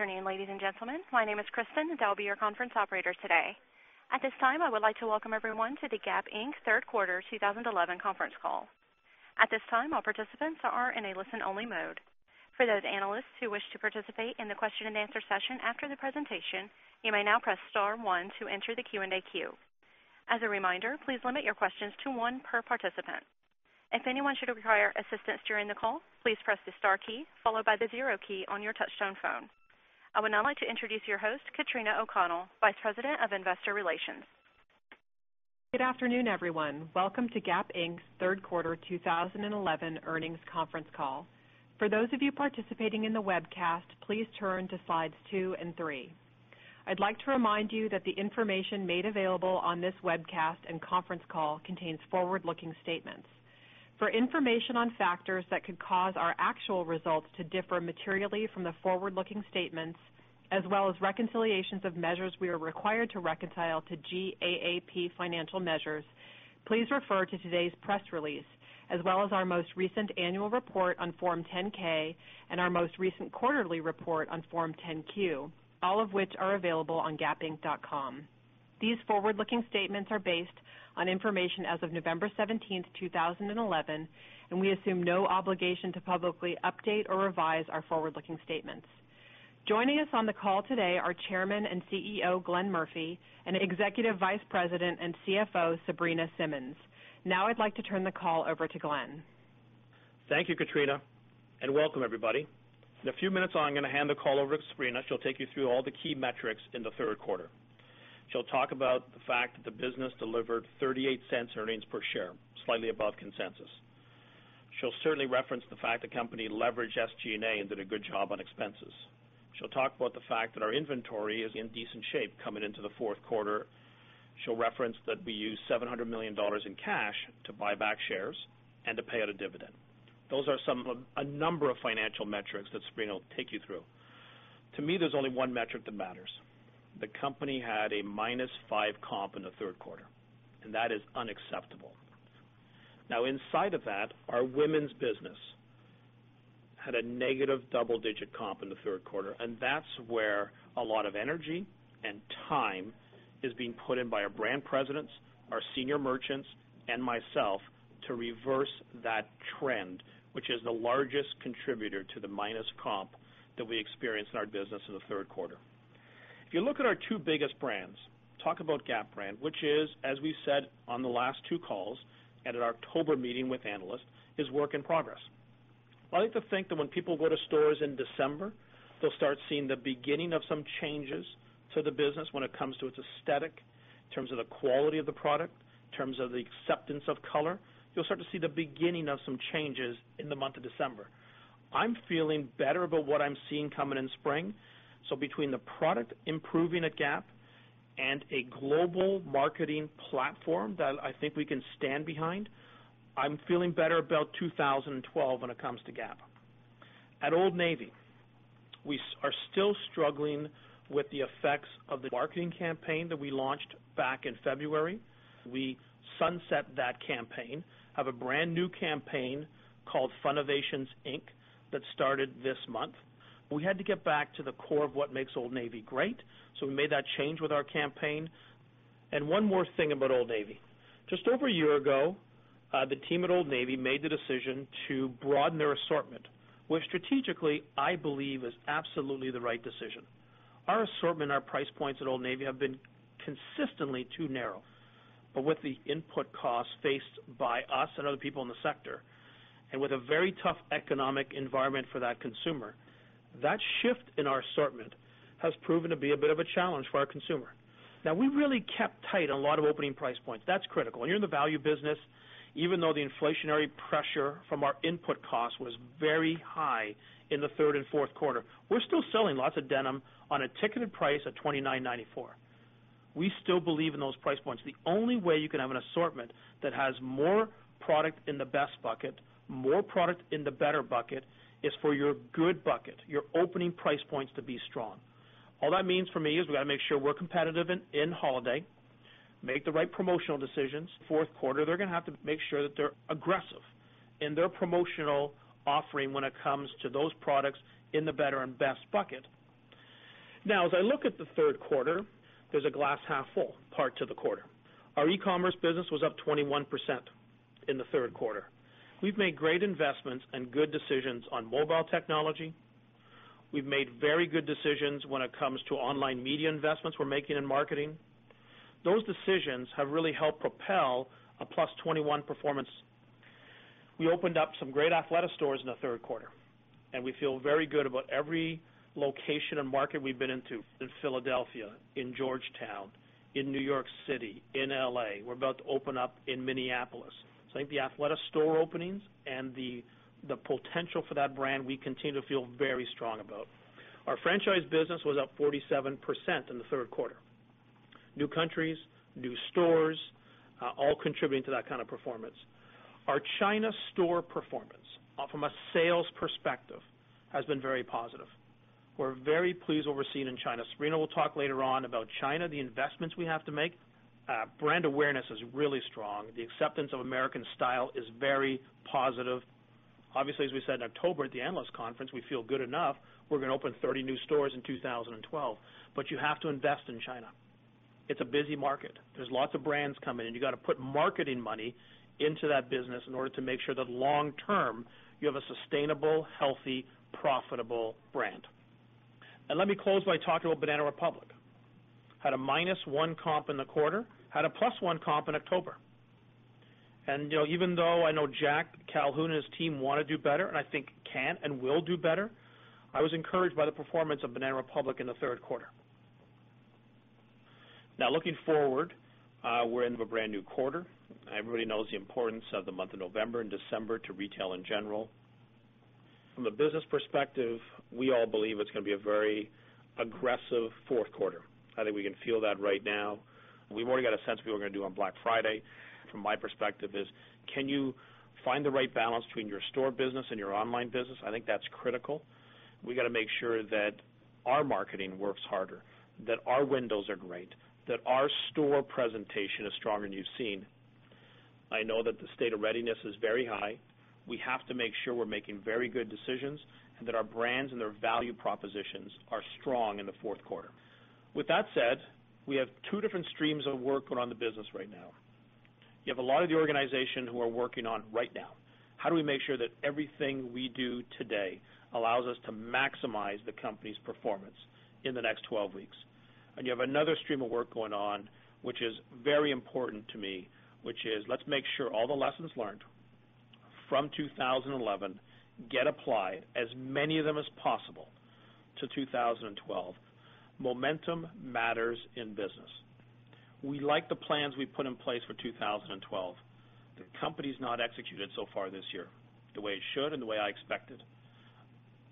Afternoon, ladies and gentlemen. My name is Kristen, and I'll be your conference operator today. At this time, I would like to welcome everyone to Gap Inc's Third Quarter 2011 Conference Call. At this time, all participants are in a listen-only mode. For those analysts who wish to participate in the question and answer session after the presentation, you may now press star one to enter the Q&A queue. As a reminder, please limit your questions to one per participant. If anyone should require assistance during the call, please press the star key followed by the zero key on your touch-tone phone. I would now like to introduce your host, Katrina O'Connell, Vice President of Investor Relations. Good afternoon, everyone. Welcome to Gap Inc's third quarter 2011 earnings conference call. For those of you participating in the webcast, please turn to slides two and three. I'd like to remind you that the information made available on this webcast and conference call contains forward-looking statements. For information on factors that could cause our actual results to differ materially from the forward-looking statements, as well as reconciliations of measures we are required to reconcile to GAAP financial measures, please refer to today's press release, as well as our most recent annual report on Form 10-K and our most recent quarterly report on Form 10-Q, all of which are available on gapinc.com. These forward-looking statements are based on information as of November 17th, 2011, and we assume no obligation to publicly update or revise our forward-looking statements. Joining us on the call today are Chairman and CEO Glenn Murphy and Executive Vice President and CFO Sabrina Simmons. Now I'd like to turn the call over to Glenn. Thank you, Katrina, and welcome, everybody. In a few minutes, I'm going to hand the call over to Sabrina. She'll take you through all the key metrics in the third quarter. She'll talk about the fact that the business delivered $0.38 earnings per share, slightly above consensus. She'll certainly reference the fact the company leveraged SG&A and did a good job on expenses. She'll talk about the fact that our inventory is in decent shape coming into the fourth quarter. She'll reference that we used $700 million in cash to buy back shares and to pay out a dividend. Those are a number of financial metrics that Sabrina will take you through. To me, there's only one metric that matters. The company had a -5% comp in the third quarter, and that is unacceptable. Now, inside of that, our women's business had a negative double-digit comp in the third quarter, and that's where a lot of energy and time is being put in by our Brand Presidents, our Senior Merchants, and myself to reverse that trend, which is the largest contributor to the minus comp that we experienced in our business in the third quarter. If you look at our two biggest brands, talk about Gap Brand, which is, as we've said on the last two calls and at our October meeting with analysts, is work in progress. I like to think that when people go to stores in December, they'll start seeing the beginning of some changes to the business when it comes to its aesthetic, in terms of the quality of the product, in terms of the acceptance of color. You'll start to see the beginning of some changes in the month of December. I'm feeling better about what I'm seeing coming in spring. Between the product improving at Gap and a global marketing platform that I think we can stand behind, I'm feeling better about 2012 when it comes to Gap. At Old Navy, we are still struggling with the effects of the marketing campaign that we launched back in February. We sunset that campaign, have a brand new campaign called Funnovations Inc that started this month. We had to get back to the core of what makes Old Navy great. We made that change with our campaign. One more thing about Old Navy. Just over a year ago, the team at Old Navy made the decision to broaden their assortment, which strategically I believe is absolutely the right decision. Our assortment, our price points at Old Navy have been consistently too narrow. With the input costs faced by us and other people in the sector, and with a very tough economic environment for that consumer, that shift in our assortment has proven to be a bit of a challenge for our consumer. We really kept tight on a lot of opening price points. That's critical. You're in the value business. Even though the inflationary pressure from our input costs was very high in the third and fourth quarter, we're still selling lots of denim on a ticketed price of $29.94. We still believe in those price points. The only way you can have an assortment that has more product in the best bucket, more product in the better bucket, is for your good bucket, your opening price points to be strong. All that means for me is we've got to make sure we're competitive in holiday, make the right promotional decisions. Fourth quarter, they're going to have to make sure that they're aggressive in their promotional offering when it comes to those products in the better and best bucket. As I look at the third quarter, there's a glass half full part to the quarter. Our e-commerce business was up 21% in the third quarter. We've made great investments and good decisions on mobile technology. We've made very good decisions when it comes to online media investments we're making in marketing. Those decisions have really helped propel a +21% performance. We opened up some great Athleta stores in the third quarter, and we feel very good about every location and market we've been into in Philadelphia, in Georgetown, in New York City, in L.A. We're about to open up in Minneapolis. I think the Athleta store openings and the potential for that brand we continue to feel very strong about. Our franchise business was up 47% in the third quarter. New countries, new stores, all contributing to that kind of performance. Our China store performance from a sales perspective has been very positive. We're very pleased with what we're seeing in China. Sabrina Simmons will talk later on about China, the investments we have to make. Brand awareness is really strong. The acceptance of American style is very positive. Obviously, as we said in October at the analyst conference, we feel good enough. We're going to open 30 new stores in 2012. You have to invest in China. It's a busy market. There are lots of brands coming in. You've got to put marketing money into that business in order to make sure that long-term you have a sustainable, healthy, profitable brand. Let me close by talking about Banana Republic. Had a -1% comp in the quarter, had a +1% comp in October. Even though I know Jack Calhoun and his team want to do better, and I think can and will do better, I was encouraged by the performance of Banana Republic in the third quarter. Now, looking forward, we're in a brand new quarter. Everybody knows the importance of the month of November and December to retail in general. From a business perspective, we all believe it's going to be a very aggressive fourth quarter. I think we can feel that right now. We've already got a sense of what we're going to do on Black Friday. From my perspective, can you find the right balance between your store business and your online business? I think that's critical. We've got to make sure that our marketing works harder, that our windows are great, that our store presentation is stronger than you've seen. I know that the state of readiness is very high. We have to make sure we're making very good decisions and that our brands and their value propositions are strong in the fourth quarter. With that said, we have two different streams of work going on in the business right now. You have a lot of the organization who are working on right now. How do we make sure that everything we do today allows us to maximize the company's performance in the next 12 weeks? You have another stream of work going on, which is very important to me, which is let's make sure all the lessons learned from 2011 get applied, as many of them as possible, to 2012. Momentum matters in business. We like the plans we put in place for 2012. The company's not executed so far this year the way it should and the way I expected.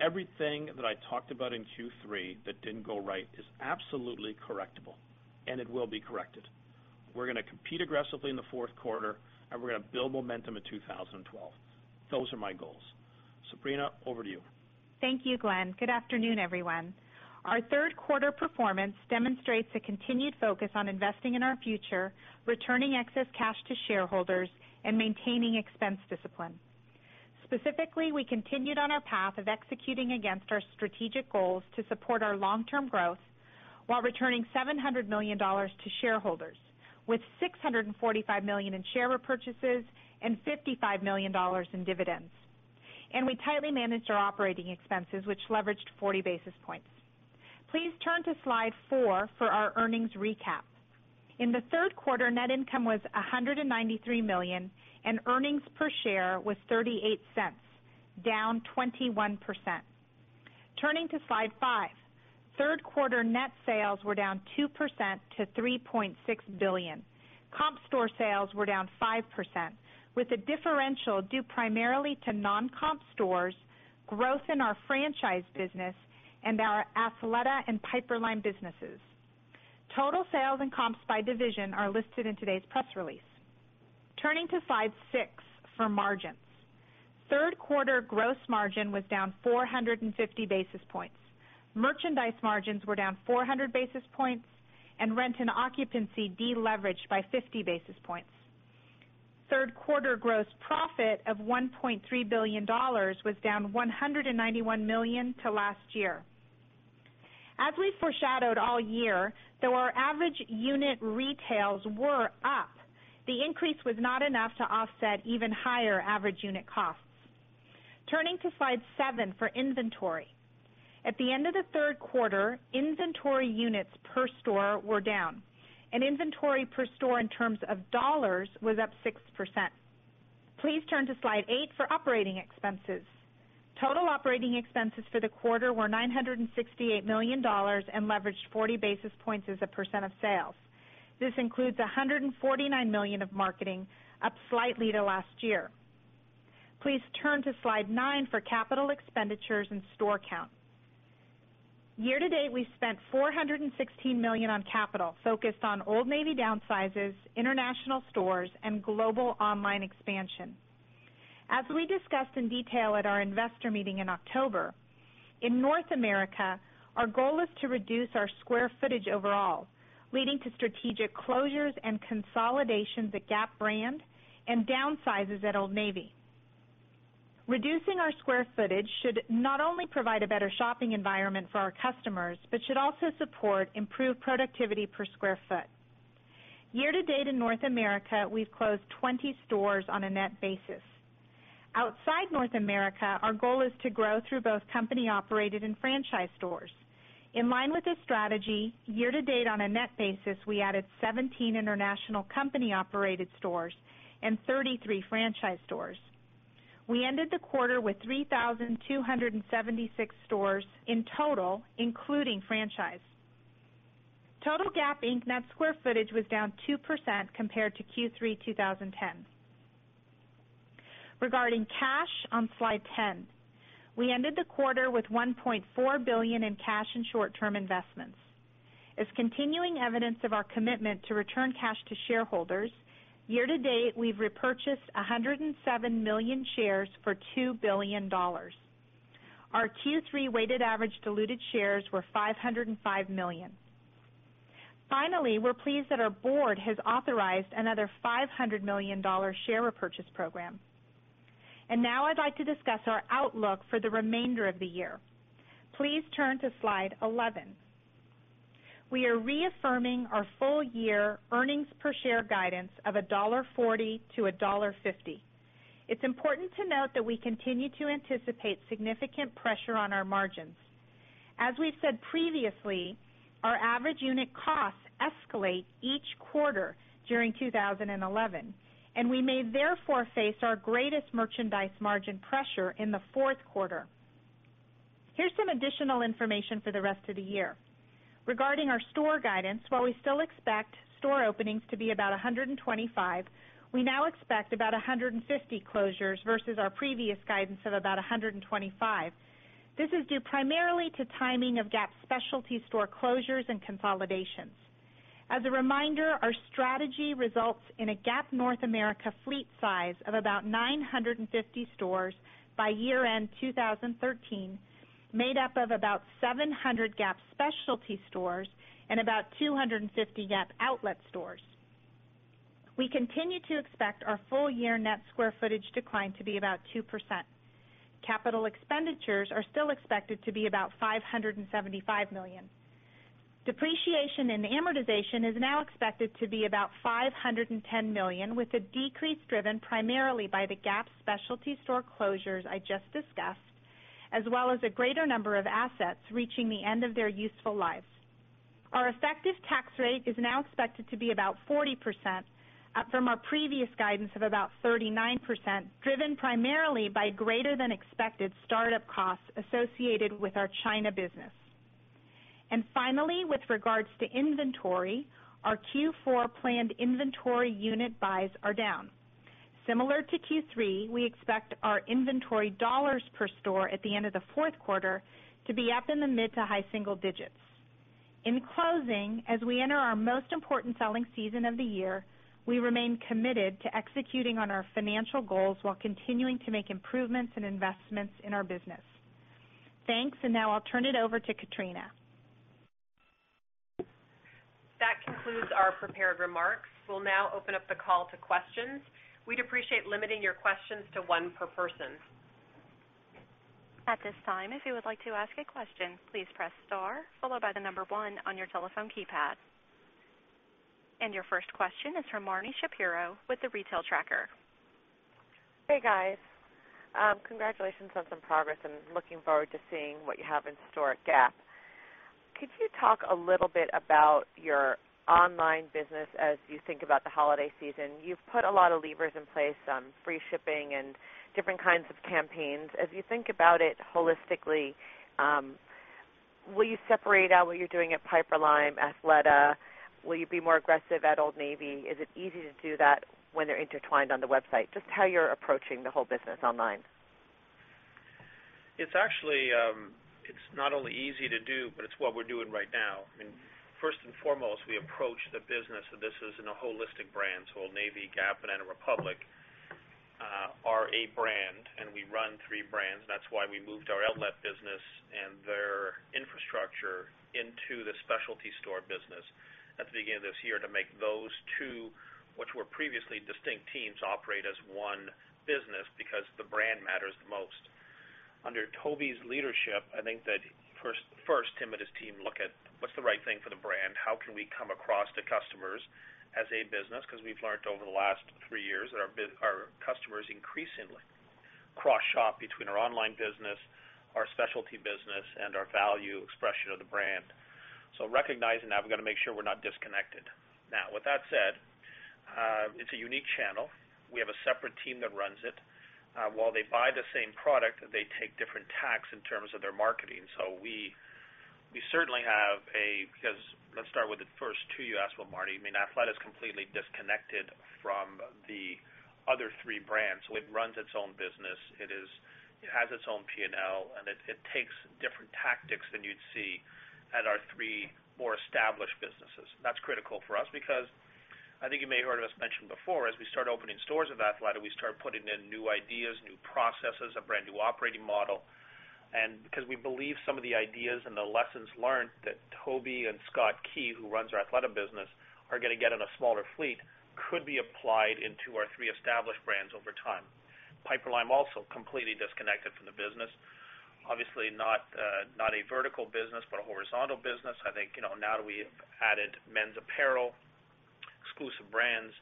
Everything that I talked about in Q3 that didn't go right is absolutely correctable, and it will be corrected. We're going to compete aggressively in the fourth quarter, and we're going to build momentum in 2012. Those are my goals. Sabrina, over to you. Thank you, Glenn. Good afternoon, everyone. Our third quarter performance demonstrates a continued focus on investing in our future, returning excess cash to shareholders, and maintaining expense discipline. Specifically, we continued on our path of executing against our strategic goals to support our long-term growth while returning $700 million to shareholders, with $645 million in share repurchases and $55 million in dividends. We tightly managed our operating expenses, which leveraged 40 basis points. Please turn to slide four for our earnings recap. In the third quarter, net income was $193 million, and earnings per share was $0.38, down 21%. Please turn to slide five. Third quarter net sales were down 2% to $3.6 billion. Comparable store sales were down 5%, with a differential due primarily to non-comparable stores, growth in our franchise business, and our Athleta and Piperlime businesses. Total sales and comps by division are listed in today's press release. Please turn to slide six for margins. Third quarter gross margin was down 450 basis points. Merchandise margins were down 400 basis points, and rent and occupancy deleveraged by 50 basis points. Third quarter gross profit of $1.3 billion was down $191 million to last year. As we foreshadowed all year, though our average unit retails were up, the increase was not enough to offset even higher average unit costs. Please turn to slide seven for inventory. At the end of the third quarter, inventory units per store were down, and inventory per store in terms of dollars was up 6%. Please turn to slide eight for operating expenses. Total operating expenses for the quarter were $968 million and leveraged 40 basis points as a percent of sales. This includes $149 million of marketing, up slightly to last year. Please turn to slide nine for capital expenditures and store count. Year to date, we spent $416 million on capital focused on Old Navy downsizes, international stores, and global online expansion. As we discussed in detail at our investor meeting in October, in North America, our goal is to reduce our square footage overall, leading to strategic closures and consolidations at Gap brand and downsizes at Old Navy. Reducing our square footage should not only provide a better shopping environment for our customers, but should also support improved productivity per square foot. Year to date, in North America, we've closed 20 stores on a net basis. Outside North America, our goal is to grow through both company-operated and franchise stores. In line with this strategy, year to date, on a net basis, we added 17 international company-operated stores and 33 franchise stores. We ended the quarter with 3,276 stores in total, including franchise. Total Gap Inc net square footage was down 2% compared to Q3 2010. Regarding cash on slide 10, we ended the quarter with $1.4 billion in cash and short-term investments. As continuing evidence of our commitment to return cash to shareholders, year to date, we've repurchased 107 million shares for $2 billion. Our Q3 weighted average diluted shares were 505 million. Finally, we're pleased that our board has authorized another $500 million share repurchase program. Now I'd like to discuss our outlook for the remainder of the year. Please turn to slide 11. We are reaffirming our full-year earnings per share guidance of $1.40-$1.50. It's important to note that we continue to anticipate significant pressure on our margins. As we've said previously, our average unit costs escalate each quarter during 2011, and we may therefore face our greatest merchandise margin pressure in the fourth quarter. Here's some additional information for the rest of the year. Regarding our store guidance, while we still expect store openings to be about 125, we now expect about 150 closures versus our previous guidance of about 125. This is due primarily to timing of Gap's specialty store closures and consolidations. As a reminder, our strategy results in a Gap North America fleet size of about 950 stores by year-end 2013, made up of about 700 Gap specialty stores and about 250 Gap outlet stores. We continue to expect our full-year net square footage decline to be about 2%. Capital expenditures are still expected to be about $575 million. Depreciation and amortization is now expected to be about $510 million, with a decrease driven primarily by the Gap specialty store closures I just discussed, as well as a greater number of assets reaching the end of their useful lives. Our effective tax rate is now expected to be about 40%, up from our previous guidance of about 39%, driven primarily by greater than expected startup costs associated with our China business. Finally, with regards to inventory, our Q4 planned inventory unit buys are down. Similar to Q3, we expect our inventory dollars per store at the end of the fourth quarter to be up in the mid to high single digits. In closing, as we enter our most important selling season of the year, we remain committed to executing on our financial goals while continuing to make improvements and investments in our business. Thanks, and now I'll turn it over to Katrina. That concludes our prepared remarks. We'll now open up the call to questions. We'd appreciate limiting your questions to one per person. At this time, if you would like to ask a question, please press star followed by the number one on your telephone keypad. Your first question is from Marni Shapiro with The Retail Tracker. Hey, guys. Congratulations on some progress. I'm looking forward to seeing what you have in store at Gap. Could you talk a little bit about your online business as you think about the holiday season? You've put a lot of levers in place, free shipping and different kinds of campaigns. As you think about it holistically, will you separate out what you're doing at Piperlime, Athleta? Will you be more aggressive at Old Navy? Is it easy to do that when they're intertwined on the website? Just how you're approaching the whole business online. It's actually not only easy to do, but it's what we're doing right now. First and foremost, we approach the business, and this is in a holistic brand. Old Navy, Gap, and Banana Republic are a brand, and we run three brands. That's why we moved our outlet business and their infrastructure into the specialty store business at the beginning of this year to make those two, which were previously distinct teams, operate as one business because the brand matters the most. Under Toby's leadership, I think that first, him and his team look at what's the right thing for the brand. How can we come across to customers as a business? We've learned over the last three years that our customers increasingly cross-shop between our online business, our specialty business, and our value expression of the brand. Recognizing that, we've got to make sure we're not disconnected. With that said, it's a unique channel. We have a separate team that runs it. While they buy the same product, they take different tacks in terms of their marketing. We certainly have a, because let's start with it first, too, you asked what Marty. Athleta is completely disconnected from the other three brands. It runs its own business. It has its own P&L, and it takes different tactics than you'd see at our three more established businesses. That's critical for us because I think you may have heard us mention before, as we started opening stores at Athleta, we started putting in new ideas, new processes, a brand new operating model. We believe some of the ideas and the lessons learned that Toby and Scott Key, who runs our Athleta business, are going to get in a smaller fleet, could be applied into our three established brands over time. Piperlime also completely disconnected from the business. Obviously, not a vertical business, but a horizontal business. Now that we've added men's apparel, exclusive brands,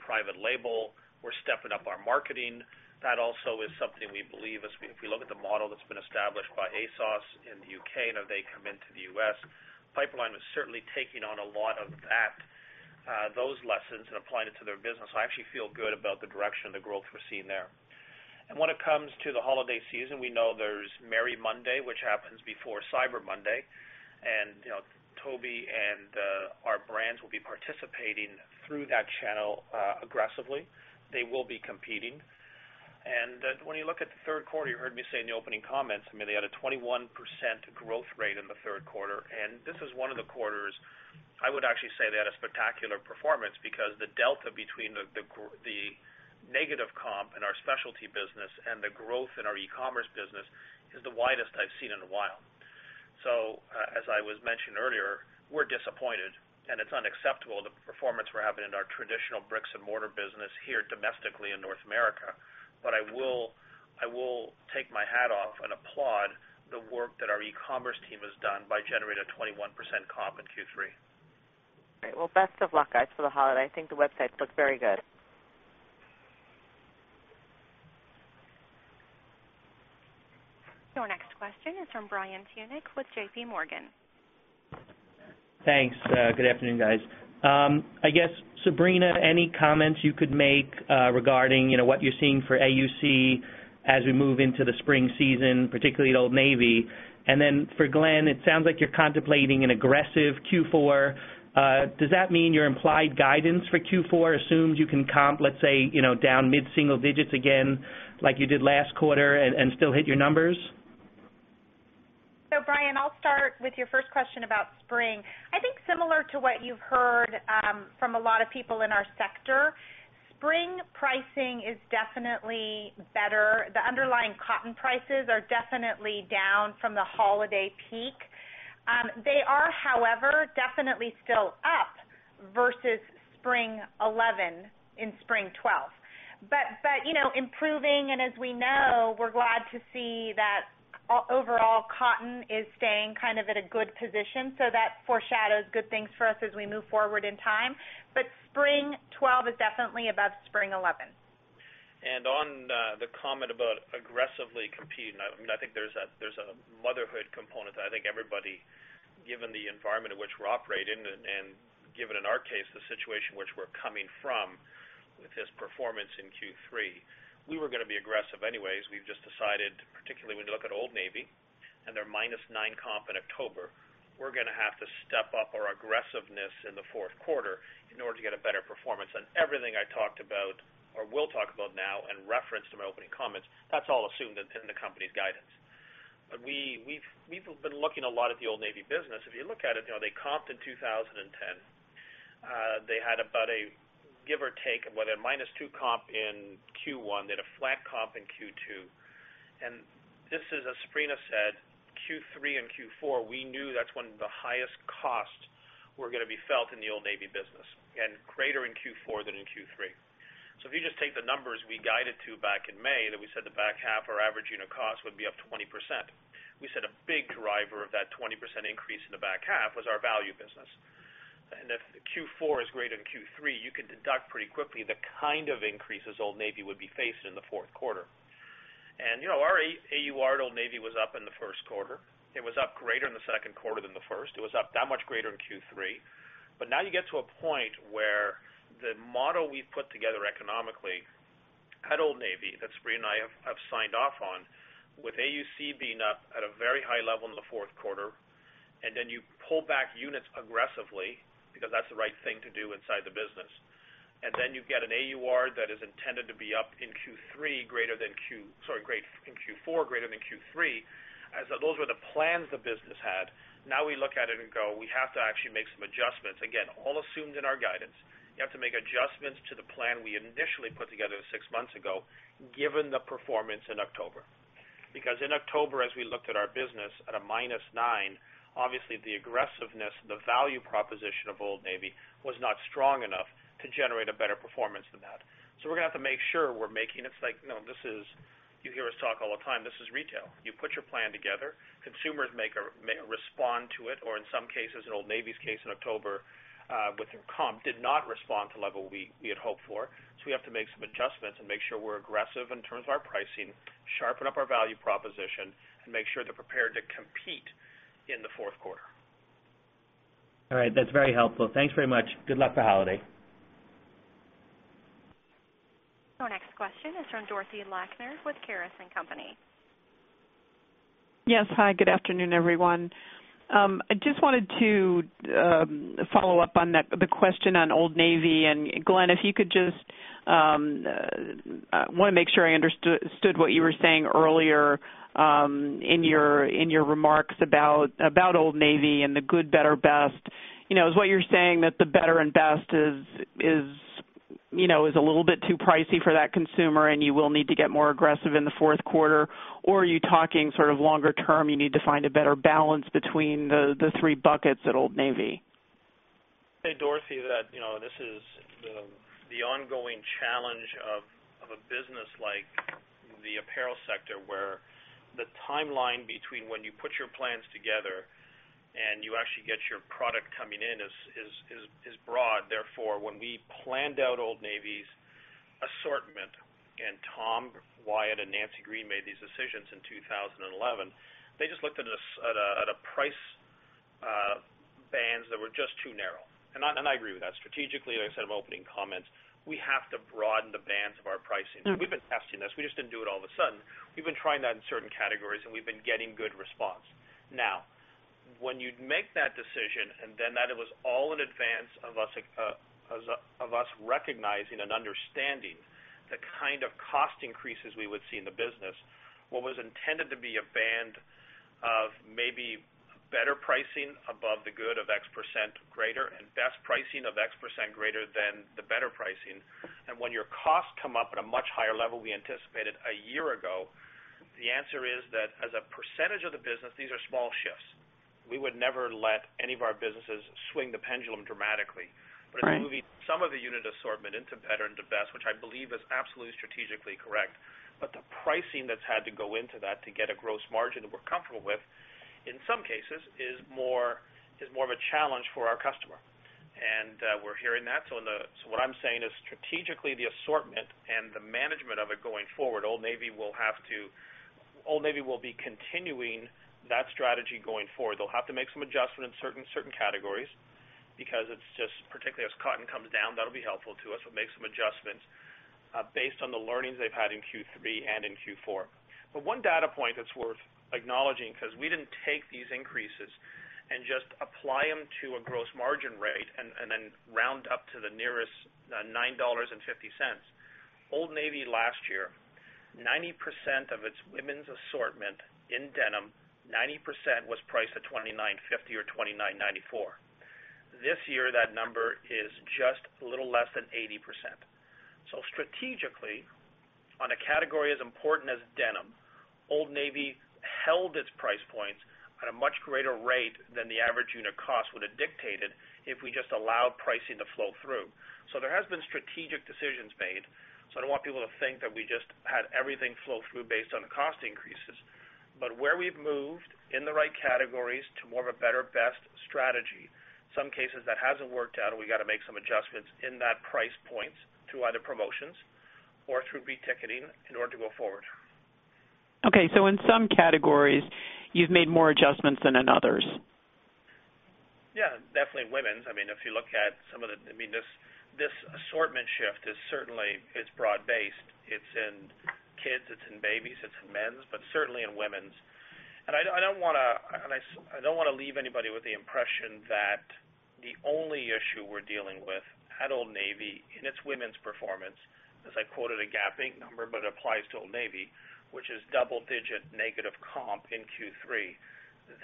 private label, we're stepping up our marketing. That also is something we believe, if we look at the model that's been established by ASOS in the U.K., and now they come into the U.S. Piperlime is certainly taking on a lot of those lessons and applying it to their business. I actually feel good about the direction of the growth we're seeing there. When it comes to the holiday season, we know there's Merry Monday, which happens before Cyber Monday. Toby and our brands will be participating through that channel aggressively. They will be competing. When you look at the third quarter, you heard me say in the opening comments, they had a 21% growth rate in the third quarter. This is one of the quarters I would actually say they had a spectacular performance because the delta between the negative comp in our specialty business and the growth in our e-commerce business is the widest I've seen in a while. As I was mentioning earlier, we're disappointed, and it's unacceptable the performance we're having in our traditional bricks and mortar business here domestically in North America. I will take my hat off and applaud the work that our e-commerce team has done by generating a 21% comp in Q3. All right. Best of luck, guys, for the holiday. I think the websites look very good. Our next question is from Brian Tunick with JPMorgan. Thanks. Good afternoon, guys. I guess, Sabrina, any comments you could make regarding what you're seeing for AUC as we move into the spring season, particularly at Old Navy? For Glenn, it sounds like you're contemplating an aggressive Q4. Does that mean your implied guidance for Q4 assumes you can comp, let's say, down mid-single digits again like you did last quarter and still hit your numbers? Brian, I'll start with your first question about spring. I think similar to what you've heard from a lot of people in our sector, spring pricing is definitely better. The underlying cotton prices are definitely down from the holiday peak. They are, however, definitely still up versus spring 2011 and spring 2012. You know, improving, and as we know, we're glad to see that overall cotton is staying kind of at a good position. That foreshadows good things for us as we move forward in time. Spring 2012 is definitely above spring 2011. On the comment about aggressively competing, I think there's a motherhood component that I think everybody, given the environment in which we're operating and given in our case, the situation in which we're coming from with this performance in Q3, we were going to be aggressive anyway. We have just decided, particularly when you look at Old Navy and their -9% comp in October, we are going to have to step up our aggressiveness in the fourth quarter in order to get a better performance. Everything I talked about or will talk about now and referenced in my opening comments, that's all assumed in the company's guidance. We have been looking a lot at the Old Navy business. If you look at it, they comped in 2010. They had about a, give or take, whether a -2% comp in Q1. They had a flat comp in Q2. As Sabrina said, Q3 and Q4, we knew that's when the highest costs were going to be felt in the Old Navy business and greater in Q4 than in Q3. If you just take the numbers we guided to back in May that we said the back half or average unit cost would be up 20%, we said a big driver of that 20% increase in the back half was our value business. If Q4 is greater than Q3, you can deduct pretty quickly the kind of increases Old Navy would be facing in the fourth quarter. Our AUR to Old Navy was up in the first quarter. It was up greater in the second quarter than the first. It was up that much greater in Q3. Now you get to a point where the model we've put together economically at Old Navy that Sabrina and I have signed off on, with AUC being up at a very high level in the fourth quarter, and then you pull back units aggressively because that's the right thing to do inside the business. Then you get an AUR that is intended to be up in Q4 greater than Q3, as those were the plans the business had. Now we look at it and go, we have to actually make some adjustments. Again, all assumed in our guidance. You have to make adjustments to the plan we initially put together six months ago, given the performance in October. In October, as we looked at our business at a -9%, obviously the aggressiveness, the value proposition of Old Navy was not strong enough to generate a better performance than that. We are going to have to make sure we're making, it's like, you hear us talk all the time, this is retail. You put your plan together, consumers make a respond to it, or in some cases, in Old Navy's case in October, with their comp, did not respond to the level we had hoped for. We have to make some adjustments and make sure we're aggressive in terms of our pricing, sharpen up our value proposition, and make sure they're prepared to compete in the fourth quarter. All right. That's very helpful. Thanks very much. Good luck for the holiday. Our next question is from Dorothy Lakner with Caris & Company. Yes. Hi. Good afternoon, everyone. I just wanted to follow up on the question on Old Navy. Glenn, if you could just, I want to make sure I understood what you were saying earlier in your remarks about Old Navy and the good, better, best. Is what you're saying that the better and best is a little bit too pricey for that consumer, and you will need to get more aggressive in the fourth quarter? Are you talking sort of longer term, you need to find a better balance between the three buckets at Old Navy? Hey, Dorothy, this is the ongoing challenge of a business like the apparel sector where the timeline between when you put your plans together and you actually get your product coming in is broad. Therefore, when we planned out Old Navy's assortment, and Tom Wyatt and Nancy Green made these decisions in 2011, they just looked at price bands that were just too narrow. I agree with that. Strategically, like I said in my opening comments, we have to broaden the bands of our pricing. We've been testing this. We just didn't do it all of a sudden. We've been trying that in certain categories, and we've been getting good response. When you make that decision, and it was all in advance of us recognizing and understanding the kind of cost increases we would see in the business, what was intended to be a band of maybe better pricing above the good of X% greater and best pricing of X% greater than the better pricing. When your costs come up at a much higher level than we anticipated a year ago, the answer is that as a percentage of the business, these are small shifts. We would never let any of our businesses swing the pendulum dramatically. It's moving some of the unit assortment into better and to best, which I believe is absolutely strategically correct. The pricing that's had to go into that to get a gross margin that we're comfortable with, in some cases, is more of a challenge for our customer. We're hearing that. Strategically, the assortment and the management of it going forward, Old Navy will be continuing that strategy going forward. They'll have to make some adjustments in certain categories because it's just, particularly as cotton comes down, that'll be helpful to us. We'll make some adjustments based on the learnings they've had in Q3 and in Q4. One data point that's worth acknowledging because we didn't take these increases and just apply them to a gross margin rate and then round up to the nearest $9.50. Old Navy last year, 90% of its women's assortment in denim, 90% was priced at $29.50 or $29.94. This year, that number is just a little less than 80%. Strategically, on a category as important as denim, Old Navy held its price points at a much greater rate than the average unit cost would have dictated if we just allowed pricing to flow through. There have been strategic decisions made. I don't want people to think that we just had everything flow through based on the cost increases. Where we've moved in the right categories to more of a better best strategy, in some cases that hasn't worked out, and we've got to make some adjustments in that price points through either promotions or through reticketing in order to go forward. Okay, in some categories, you've made more adjustments than in others. Yeah, definitely in women's. If you look at some of the, this assortment shift is certainly broad-based. It's in kids, it's in babies, it's in men's, but certainly in women's. I don't want to leave anybody with the impression that the only issue we're dealing with at Old Navy in its women's performance, as I quoted a Gap Inc number, but it applies to Old Navy, which is double-digit negative comp in Q3,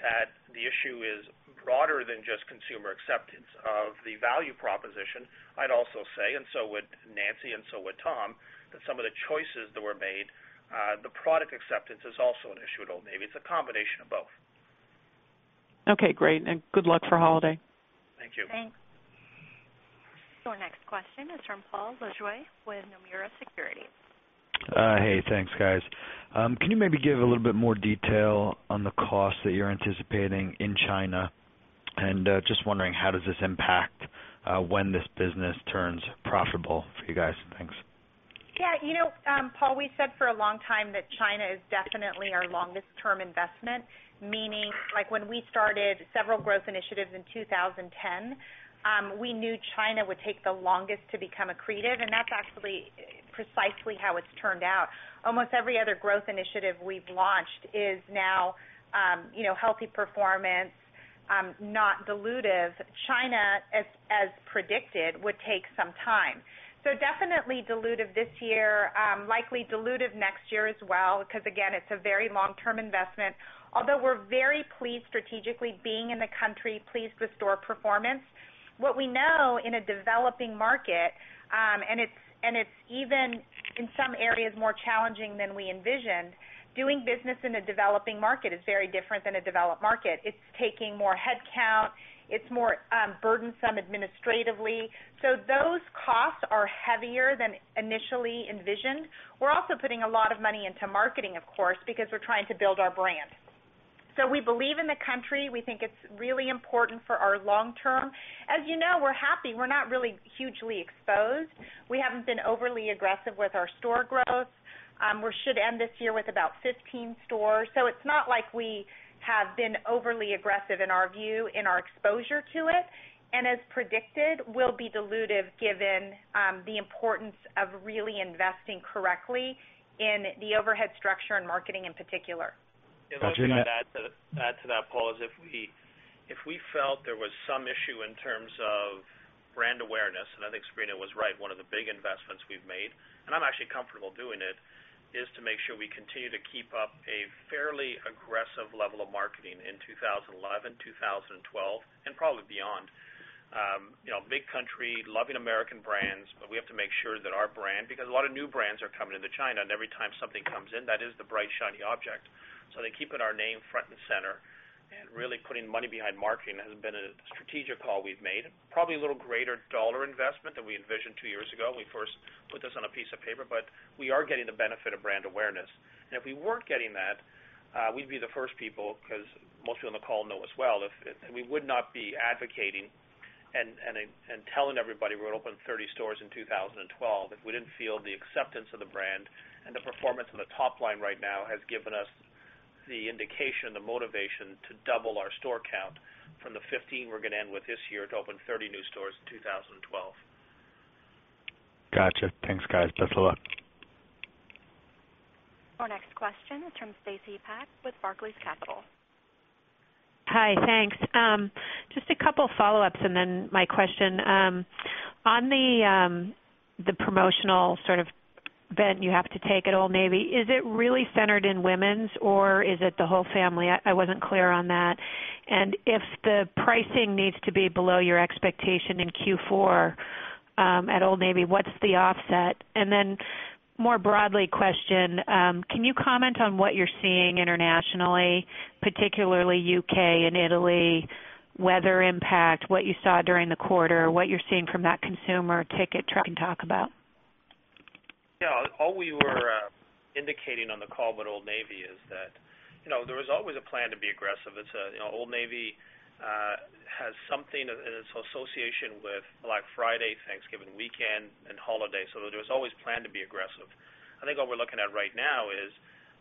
that the issue is broader than just consumer acceptance of the value proposition. I'd also say, and so would Nancy, and so would Tom, that some of the choices that were made, the product acceptance is also an issue at Old Navy. It's a combination of both. Okay, great. Good luck for the holiday. Thank you. Thanks. Our next question is from Paul Lejuez with Nomura Securities. Hey, thanks, guys. Can you maybe give a little bit more detail on the costs that you're anticipating in China? I'm just wondering, how does this impact when this business turns profitable for you guys? Thanks. Yeah. You know, Paul, we said for a long time that China is definitely our longest-term investment, meaning like when we started several growth initiatives in 2010, we knew China would take the longest to become accretive. That's actually precisely how it's turned out. Almost every other growth initiative we've launched is now healthy performance, not dilutive. China, as predicted, would take some time. Definitely dilutive this year, likely dilutive next year as well, because again, it's a very long-term investment. Although we're very pleased strategically being in the country, pleased with store performance. What we know in a developing market, and it's even in some areas more challenging than we envisioned, doing business in a developing market is very different than a developed market. It's taking more headcount. It's more burdensome administratively. Those costs are heavier than initially envisioned. We're also putting a lot of money into marketing, of course, because we're trying to build our brand. We believe in the country. We think it's really important for our long term. As you know, we're happy. We're not really hugely exposed. We haven't been overly aggressive with our store growth. We should end this year with about 15 stores. It's not like we have been overly aggressive in our view, in our exposure to it. As predicted, we'll be dilutive given the importance of really investing correctly in the overhead structure and marketing in particular. I'll just add to that, Paul, if we felt there was some issue in terms of brand awareness, and I think Sabrina was right, one of the big investments we've made, and I'm actually comfortable doing it, is to make sure we continue to keep up a fairly aggressive level of marketing in 2011, 2012, and probably beyond. It's a big country, loving American brands, but we have to make sure that our brand, because a lot of new brands are coming into China, and every time something comes in, that is the bright shiny object. They keep our name front and center. Really putting money behind marketing has been a strategic call we've made. Probably a little greater dollar investment than we envisioned two years ago when we first put this on a piece of paper, but we are getting the benefit of brand awareness. If we weren't getting that, we'd be the first people, because most people on the call know as well, and we would not be advocating and telling everybody we would open 30 stores in 2012 if we didn't feel the acceptance of the brand and the performance of the top line right now has given us the indication, the motivation to double our store count from the 15 we're going to end with this year to open 30 new stores in 2012. Gotcha. Thanks, guys. Best of luck. Our next question is from Stacy Pak with Barclays Capital. Hi, thanks. Just a couple of follow-ups and then my question. On the promotional sort of bend you have to take at Old Navy, is it really centered in women's or is it the whole family? I wasn't clear on that. If the pricing needs to be below your expectation in Q4 at Old Navy, what's the offset? More broadly, can you comment on what you're seeing internationally, particularly U.K. and Italy, weather impact, what you saw during the quarter, what you're seeing from that consumer ticket? Can you talk about that? Yeah. All we were indicating on the call with Old Navy is that, you know, there was always a plan to be aggressive. Old Navy has something in its association with Black Friday, Thanksgiving weekend, and holidays. There was always a plan to be aggressive. I think what we're looking at right now is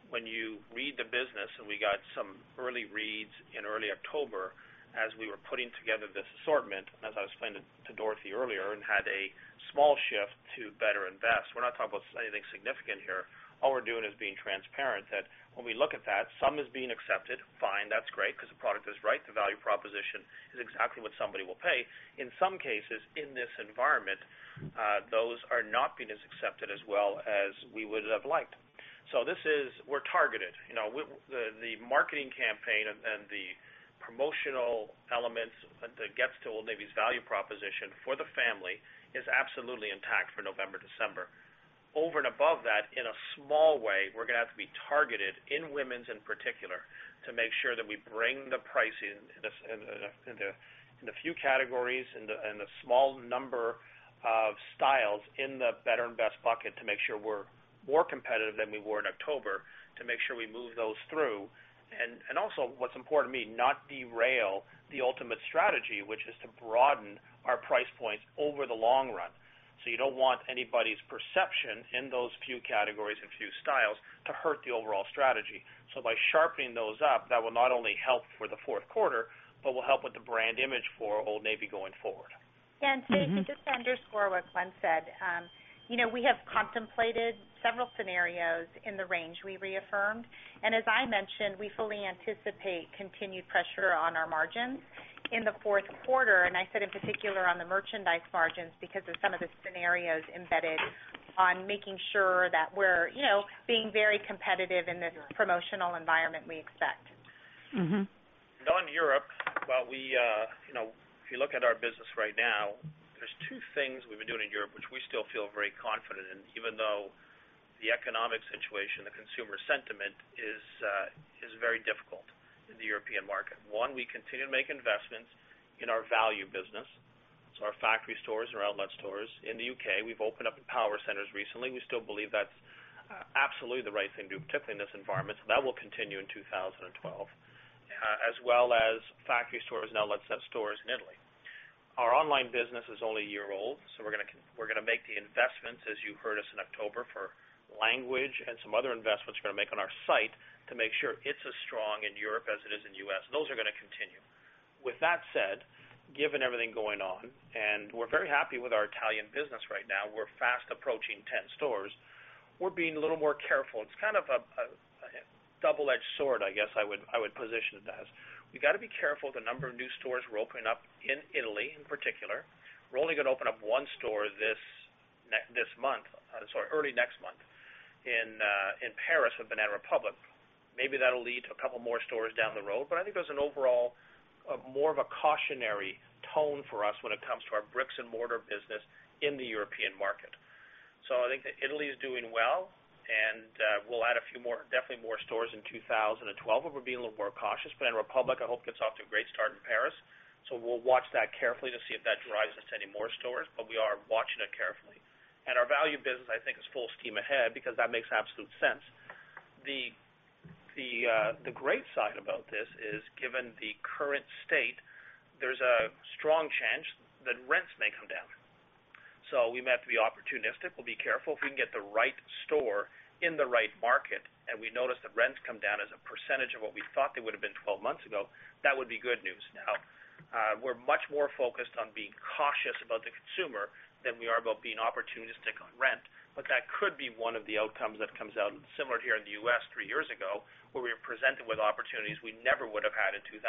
when you read the business, and we got some early reads in early October as we were putting together this assortment, and as I was explaining to Dorothy earlier, had a small shift to better invest. We're not talking about anything significant here. All we're doing is being transparent that when we look at that, some is being accepted. Fine, that's great because the product is right. The value proposition is exactly what somebody will pay. In some cases, in this environment, those are not being as accepted as well as we would have liked. This is, we're targeted. The marketing campaign and the promotional elements that get to Old Navy's value proposition for the family is absolutely intact for November, December. Over and above that, in a small way, we're going to have to be targeted in women's in particular to make sure that we bring the pricing in a few categories and a small number of styles in the better and best bucket to make sure we're more competitive than we were in October to make sure we move those through. Also, what's important to me, not derail the ultimate strategy, which is to broaden our price points over the long run. You don't want anybody's perception in those few categories and few styles to hurt the overall strategy. By sharpening those up, that will not only help for the fourth quarter, but will help with the brand image for Old Navy going forward. Yeah. To underscore what Glenn said, we have contemplated several scenarios in the range we reaffirmed. As I mentioned, we fully anticipate continued pressure on our margins in the fourth quarter. I said in particular on the merchandise margins because of some of the scenarios embedded on making sure that we're being very competitive in the promotional environment we expect. On Europe, if you look at our business right now, there are two things we've been doing in Europe, which we still feel very confident in, even though the economic situation and the consumer sentiment is very difficult in the European market. One, we continue to make investments in our value business. Our factory stores and our outlet stores in the U.K., we've opened up power centers recently. We still believe that's absolutely the right thing to do, particularly in this environment. That will continue in 2012, as well as factory stores and outlet stores in Italy. Our online business is only a year old. We're going to make the investments, as you heard us in October, for language and some other investments we're going to make on our site to make sure it's as strong in Europe as it is in the U.S. Those are going to continue. With that said, given everything going on, and we're very happy with our Italian business right now, we're fast approaching 10 stores, we're being a little more careful. It's kind of a double-edged sword, I guess I would position it as. We've got to be careful with the number of new stores we're opening up in Italy in particular. We're only going to open up one store this month, sorry, early next month in Paris at Banana Republic. Maybe that'll lead to a couple more stores down the road. I think there's an overall more of a cautionary tone for us when it comes to our bricks and mortar business in the European market. I think that Italy is doing well, and we'll add a few more, definitely more stores in 2012, but we're being a little more cautious. Banana Republic, I hope, gets off to a great start in Paris. We'll watch that carefully to see if that drives us to any more stores, but we are watching it carefully. Our value business, I think, is full steam ahead because that makes absolute sense. The great side about this is given the current state, there's a strong chance that rents may come down. We may have to be opportunistic. We'll be careful. If we can get the right store in the right market and we notice that rents come down as a percentage of what we thought they would have been 12 months ago, that would be good news. Now, we're much more focused on being cautious about the consumer than we are about being opportunistic on rent. That could be one of the outcomes that comes out similar here in the U.S. three years ago where we were presented with opportunities we never would have had in 2007.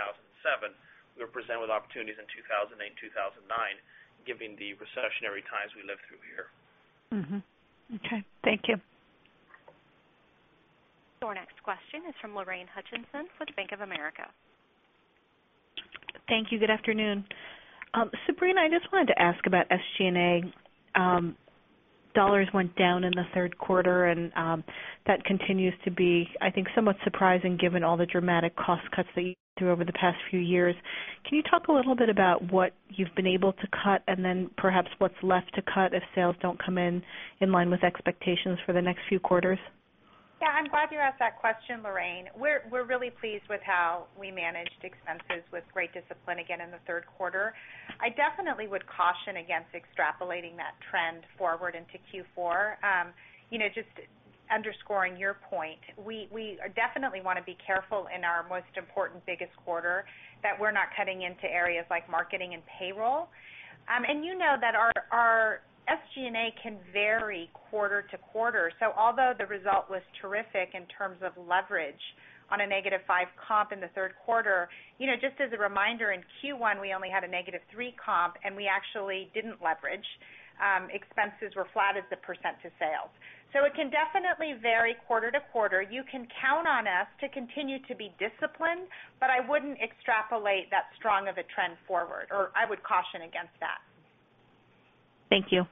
We were presented with opportunities in 2008, 2009, given the recessionary times we lived through here. Okay, thank you. Our next question is from Lorraine Hutchinson with Bank of America. Thank you. Good afternoon. Sabrina, I just wanted to ask about SG&A. Dollars went down in the third quarter, and that continues to be, I think, somewhat surprising given all the dramatic cost cuts that you've been through over the past few years. Can you talk a little bit about what you've been able to cut and then perhaps what's left to cut if sales don't come in in line with expectations for the next few quarters? Yeah. I'm glad you asked that question, Lorraine. We're really pleased with how we managed expenses with great discipline again in the third quarter. I definitely would caution against extrapolating that trend forward into Q4. You know, just underscoring your point, we definitely want to be careful in our most important, biggest quarter that we're not cutting into areas like marketing and payroll. You know that our SG&A can vary quarter to quarter. Although the result was terrific in terms of leverage on a -5% comp in the third quarter, just as a reminder, in Q1, we only had a -3% comp, and we actually didn't leverage. Expenses were flat as the percent to sales. It can definitely vary quarter to quarter. You can count on us to continue to be disciplined, but I wouldn't extrapolate that strong of a trend forward, or I would caution against that. Thank you.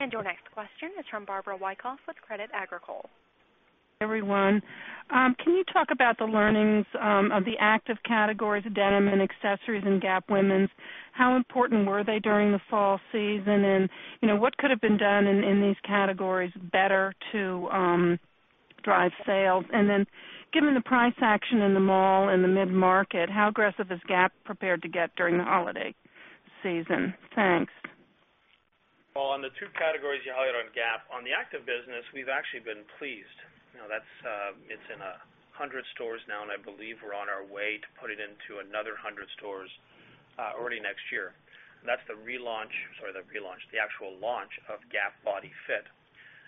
Our next question is from Barbara Wyckoff with Crédit Agricole. Everyone, can you talk about the learnings of the active categories, denim and accessories, and Gap women's? How important were they during the fall season? What could have been done in these categories better to drive sales? Given the price action in the mall and the mid-market, how aggressive is Gap prepared to get during the holiday season? Thanks. On the two categories you highlighted on Gap, on the active business, we've actually been pleased. It's in 100 stores now, and I believe we're on our way to put it into another 100 stores early next year. That's the relaunch, the actual launch of Gap Body Fit.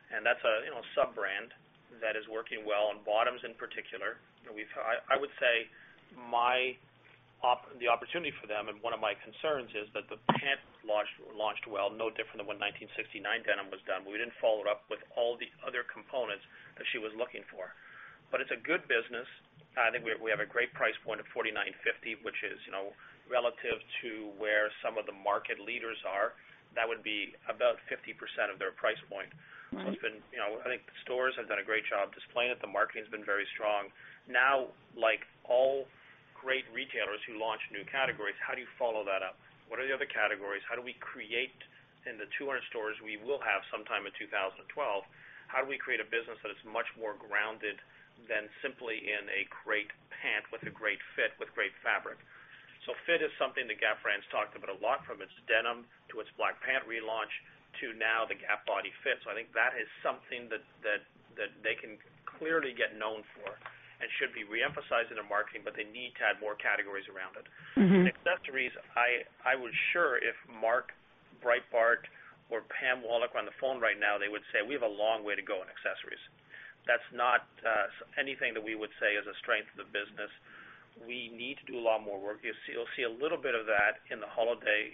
That's a sub-brand that is working well on bottoms in particular. I would say the opportunity for them, and one of my concerns is that the pant launched well, no different than when 1969 denim was done. We didn't follow it up with all the other components that she was looking for. It's a good business. I think we have a great price point of $49.50, which is, relative to where some of the market leaders are, that would be about 50% of their price point. It's been, I think the stores have done a great job displaying it. The marketing has been very strong. Like all great retailers who launch new categories, how do you follow that up? What are the other categories? How do we create in the 200 stores we will have sometime in 2012? How do we create a business that is much more grounded than simply in a great pant with a great fit with great fabric? Fit is something that Gap brands talked about a lot, from its denim to its black pant relaunch to now the Gap Body Fit. I think that is something that they can clearly get known for and should be reemphasized in their marketing, but they need to add more categories around it. Accessories, I was sure if Mark Breitbart or Pam Wallack were on the phone right now, they would say we have a long way to go in accessories. That's not anything that we would say is a strength of the business. We need to do a lot more work. You'll see a little bit of that in the holiday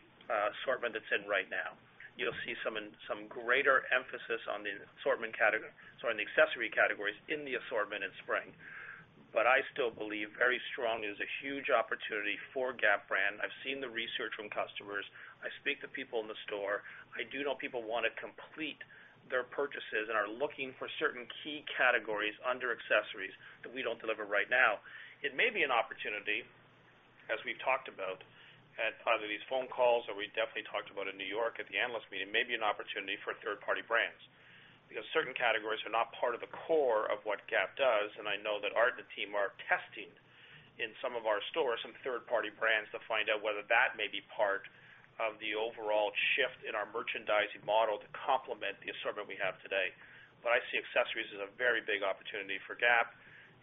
assortment that's in right now. You'll see some greater emphasis on the accessory categories in the assortment in spring. I still believe very strongly there's a huge opportunity for Gap brand. I've seen the research from customers. I speak to people in the store. I do know people want to complete their purchases and are looking for certain key categories under accessories that we don't deliver right now. It may be an opportunity, as we've talked about at either these phone calls or we definitely talked about in New York at the analyst meeting, maybe an opportunity for third-party brands. Because certain categories are not part of the core of what Gap does, and I know that Art and the team are testing in some of our stores some third-party brands to find out whether that may be part of the overall shift in our merchandising model to complement the assortment we have today. I see accessories as a very big opportunity for Gap,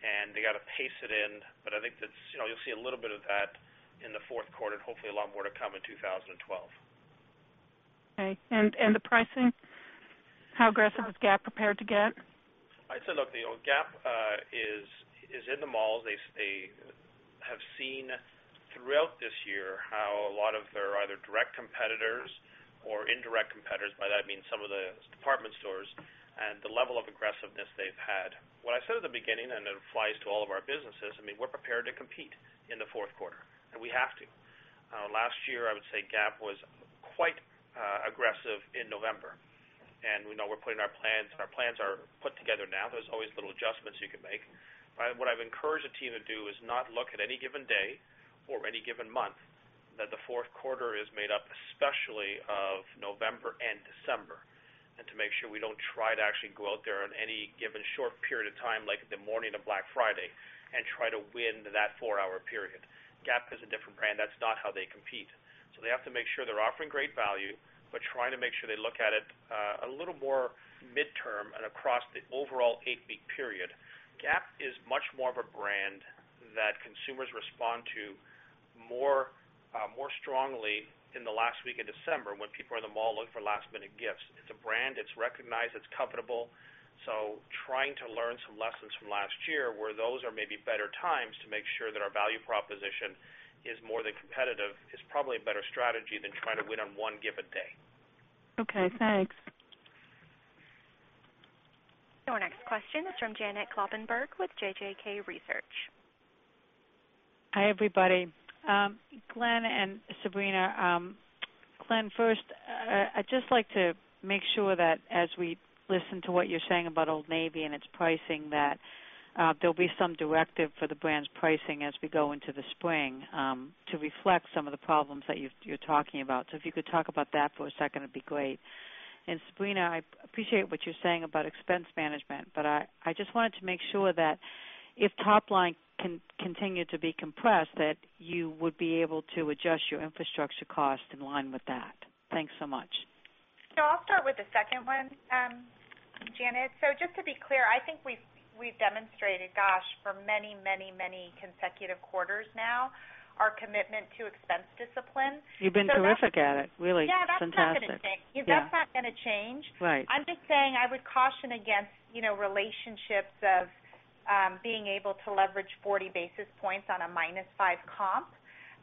and they got to pace it in. I think that's, you know, you'll see a little bit of that in the fourth quarter and hopefully a lot more to come in 2012. Okay. The pricing, how aggressive is Gap prepared to get? I'd say, look, Gap is in the malls. They have seen throughout this year how a lot of their either direct competitors or indirect competitors, by that I mean some of the department stores, and the level of aggressiveness they've had. What I said at the beginning, and it applies to all of our businesses, I mean, we're prepared to compete in the fourth quarter, and we have to. Last year, I would say Gap was quite aggressive in November. We know we're putting our plans. Our plans are put together now. There's always little adjustments you could make. What I've encouraged the team to do is not look at any given day or any given month that the fourth quarter is made up, especially of November and December, and to make sure we don't try to actually go out there on any given short period of time, like the morning of Black Friday, and try to win that four-hour period. Gap is a different brand. That's not how they compete. They have to make sure they're offering great value, but trying to make sure they look at it a little more midterm and across the overall eight-week period. Gap is much more of a brand that consumers respond to more strongly in the last week in December when people are in the mall looking for last-minute gifts. It's a brand. It's recognized. It's comfortable. Trying to learn some lessons from last year where those are maybe better times to make sure that our value proposition is more than competitive is probably a better strategy than trying to win on one given day. Okay. Thanks. Our next question is from Janet Kloppenburg with JJK Research. Hi, everybody. Glenn and Sabrina, Glenn, first, I'd just like to make sure that as we listen to what you're saying about Old Navy and its pricing, that there'll be some directive for the brand's pricing as we go into the spring to reflect some of the problems that you're talking about. If you could talk about that for a second, it'd be great. Sabrina, I appreciate what you're saying about expense management, but I just wanted to make sure that if top line can continue to be compressed, that you would be able to adjust your infrastructure cost in line with that. Thanks so much. I'll start with the second one, Janet. Just to be clear, I think we've demonstrated, gosh, for many, many, many consecutive quarters now, our commitment to expense discipline. You've been terrific at it, really. Yeah, that's not going to change. That's not going to change. Right. I would caution against relationships of being able to leverage 40 basis points on a -5% comp.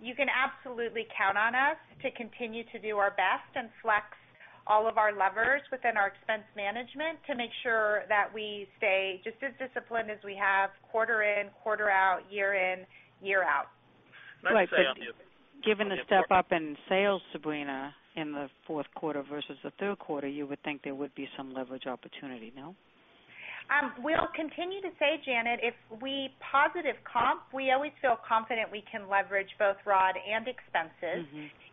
You can absolutely count on us to continue to do our best and flex all of our levers within our expense management to make sure that we stay just as disciplined as we have quarter in, quarter out, year in, year out. Nice to hear. Given the step up in sales, Sabrina, in the fourth quarter versus the third quarter, you would think there would be some leverage opportunity, no? We'll continue to say, Janet, if we positive comp, we always feel confident we can leverage both ROD and expenses.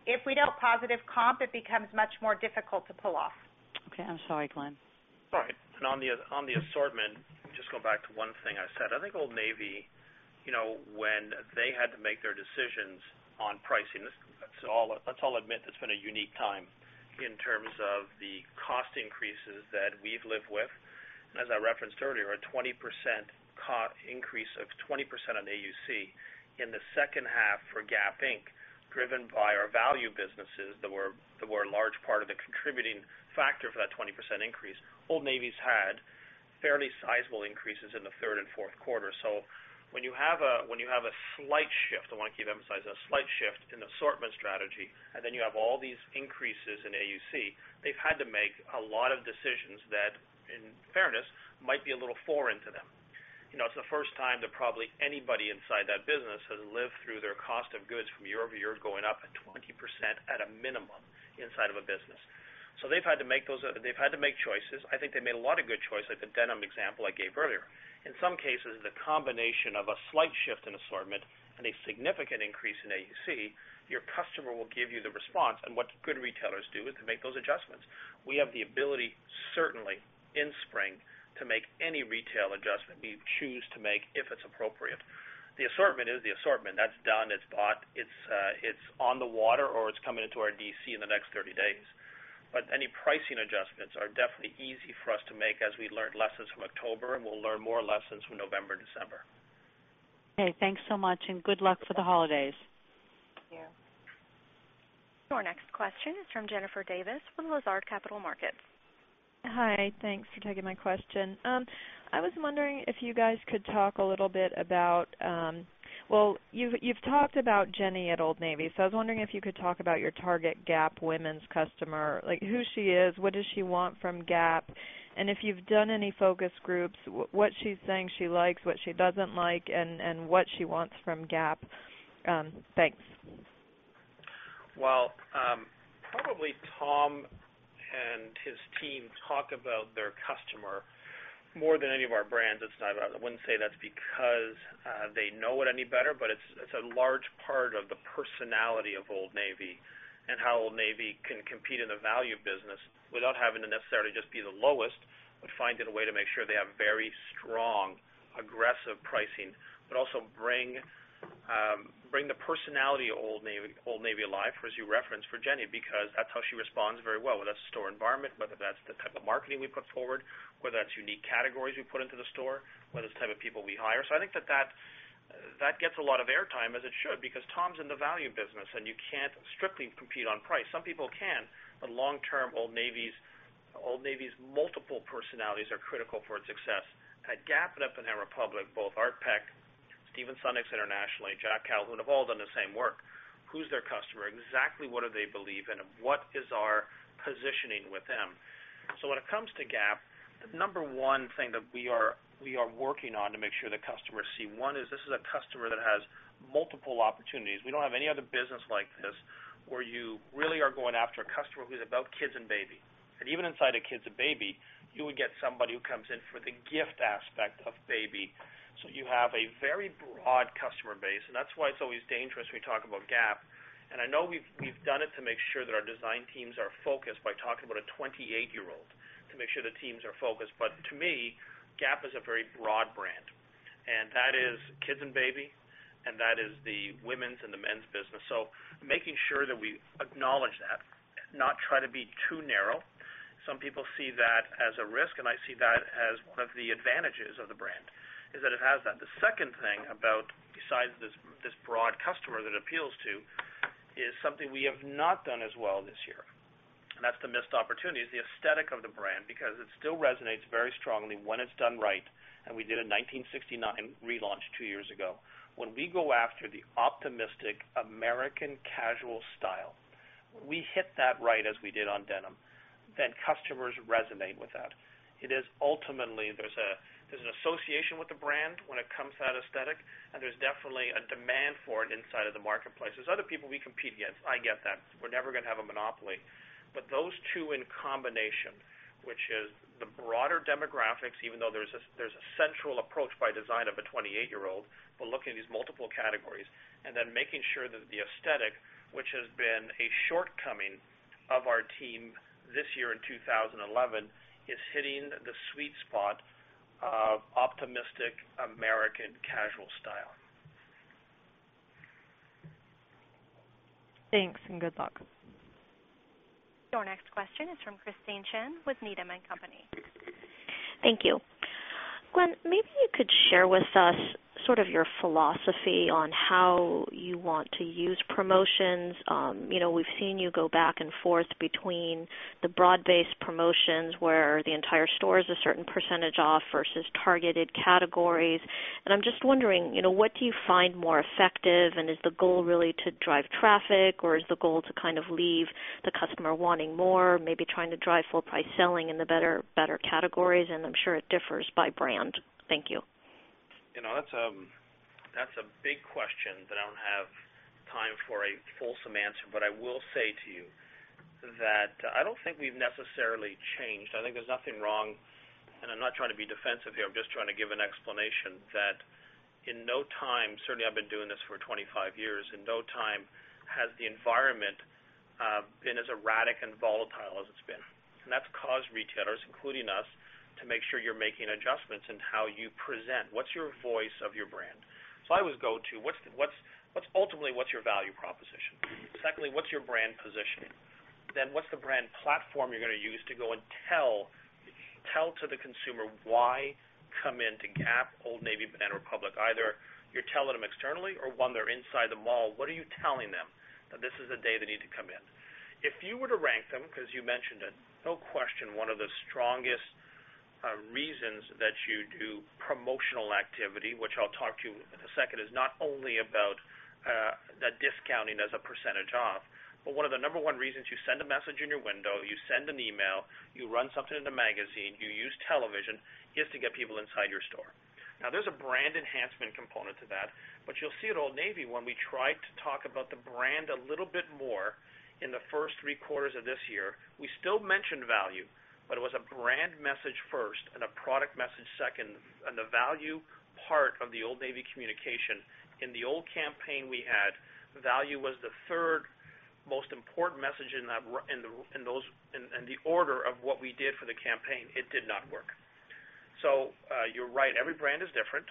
If we don't positive comp, it becomes much more difficult to pull off. Okay, I'm sorry, Glenn. All right. On the assortment, just going back to one thing I said, I think Old Navy, you know, when they had to make their decisions on pricing, let's all admit that's been a unique time in terms of the cost increases that we've lived with. As I referenced earlier, a 20% increase on average unit costs in the second half for Gap Inc, driven by our value businesses, was a large part of the contributing factor for that 20% increase. Old Navy's had fairly sizable increases in the third and fourth quarter. When you have a slight shift, I want to keep emphasizing a slight shift in the assortment strategy, and then you have all these increases in average unit costs, they've had to make a lot of decisions that, in fairness, might be a little foreign to them. It's the first time that probably anybody inside that business has lived through their cost of goods from year-over-year going up at 20% at a minimum inside of a business. They've had to make those, they've had to make choices. I think they made a lot of good choices, like the denim example I gave earlier. In some cases, the combination of a slight shift in assortment and a significant increase in average unit costs, your customer will give you the response. What good retailers do is they make those adjustments. We have the ability, certainly, in spring, to make any retail adjustment we choose to make if it's appropriate. The assortment is the assortment. That's done. It's bought. It's on the water or it's coming into our DC in the next 30 days. Any pricing adjustments are definitely easy for us to make as we learn lessons from October, and we'll learn more lessons from November and December. Okay, thanks so much, and good luck for the holidays. Thank you. Our next question is from Jennifer Davis from Lazard Capital Markets. Hi. Thanks for taking my question. I was wondering if you guys could talk a little bit about, you've talked about Jenny at Old Navy. I was wondering if you could talk about your target Gap women's customer, like who she is, what does she want from Gap, and if you've done any focus groups, what she's saying she likes, what she doesn't like, and what she wants from Gap. Thanks. Tom and his team talk about their customer more than any of our brands. I wouldn't say that's because they know it any better, but it's a large part of the personality of Old Navy and how Old Navy can compete in the value business without having to necessarily just be the lowest, but finding a way to make sure they have very strong, aggressive pricing, but also bring the personality of Old Navy alive, as you referenced for Jenny, because that's how she responds very well. Whether that's the store environment, whether that's the type of marketing we put forward, whether that's unique categories we put into the store, whether it's the type of people we hire. I think that that gets a lot of airtime, as it should, because Tom's in the value business, and you can't strictly compete on price. Some people can, but long-term, Old Navy's multiple personalities are critical for its success. At Gap and at Banana Republic, both Art Peck, Steven Sunnicks internationally, Jack Calhoun have all done the same work. Who's their customer? Exactly what do they believe in? And what is our positioning with them? When it comes to Gap, the number one thing that we are working on to make sure the customers see, one, is this is a customer that has multiple opportunities. We don't have any other business like this where you really are going after a customer who's about kids and baby. Even inside a kids and baby, you would get somebody who comes in for the gift aspect of baby. You have a very broad customer base, and that's why it's always dangerous when you talk about Gap. I know we've done it to make sure that our design teams are focused by talking about a 28-year-old to make sure the teams are focused. To me, Gap is a very broad brand. That is kids and baby, and that is the women's and the men's business. Making sure that we acknowledge that, not try to be too narrow. Some people see that as a risk, and I see that as one of the advantages of the brand is that it has that. The second thing about, besides this broad customer that it appeals to, is something we have not done as well this year. That's the missed opportunities, the aesthetic of the brand, because it still resonates very strongly when it's done right. We did a 1969 relaunch two years ago. When we go after the optimistic American casual style, when we hit that right as we did on denim, then customers resonate with that. Ultimately, there's an association with the brand when it comes to that aesthetic, and there's definitely a demand for it inside of the marketplace. There are other people we compete against. I get that. We're never going to have a monopoly. Those two in combination, which is the broader demographics, even though there's a central approach by design of a 28-year-old, but looking at these multiple categories, and then making sure that the aesthetic, which has been a shortcoming of our team this year in 2011, is hitting the sweet spot of optimistic American casual style. Thanks, and good luck. Our next question is from Christine Chen with Needham & Company. Thank you. Glenn, maybe you could share with us your philosophy on how you want to use promotions. You know, we've seen you go back and forth between the broad-based promotions where the entire store is a certain percentage off versus targeted categories. I'm just wondering, what do you find more effective? Is the goal really to drive traffic, or is the goal to leave the customer wanting more, maybe trying to drive full-price selling in the better categories? I'm sure it differs by brand. Thank you. You know, that's a big question that I don't have time for a fulsome answer, but I will say to you that I don't think we've necessarily changed. I think there's nothing wrong, and I'm not trying to be defensive here. I'm just trying to give an explanation that in no time, certainly I've been doing this for 25 years, in no time has the environment been as erratic and volatile as it's been. That's caused retailers, including us, to make sure you're making adjustments in how you present. What's your voice of your brand? I always go to, what's ultimately, what's your value proposition? Secondly, what's your brand positioning? Then what's the brand platform you're going to use to go and tell to the consumer why come into Gap, Old Navy, Banana Republic? Either you're telling them externally or when they're inside the mall, what are you telling them that this is the day they need to come in? If you were to rank them, because you mentioned it, no question, one of the strongest reasons that you do promotional activity, which I'll talk to you in a second, is not only about that discounting as a percentage off, but one of the number one reasons you send a message in your window, you send an email, you run something in a magazine, you use television, is to get people inside your store. There's a brand enhancement component to that, but you'll see at Old Navy when we tried to talk about the brand a little bit more in the first three quarters of this year, we still mentioned value, but it was a brand message first and a product message second. The value part of the Old Navy communication in the old campaign we had, value was the third most important message in the order of what we did for the campaign. It did not work. You're right. Every brand is different.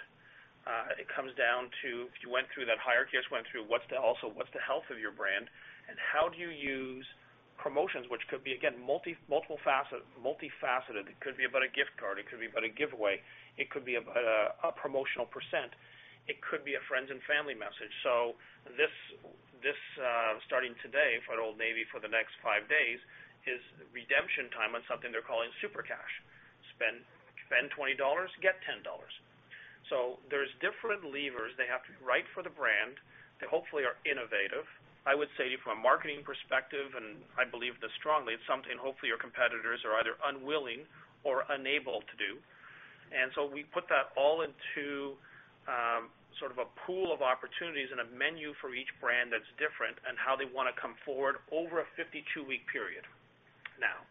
It comes down to, if you went through that hierarchy I just went through, what's the health of your brand? How do you use promotions, which could be, again, multifaceted? It could be about a gift card. It could be about a giveaway. It could be about a promotional percent. It could be a friends and family message. Starting today for Old Navy for the next five days, is redemption time on something they're calling Super Cash. Spend $20, get $10. There are different levers. They have to be right for the brand. They hopefully are innovative. I would say to you from a marketing perspective, and I believe this strongly, it's something hopefully your competitors are either unwilling or unable to do. We put that all into sort of a pool of opportunities and a menu for each brand that's different and how they want to come forward over a 52-week period. Now,